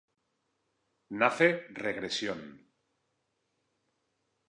Nace "Regresión".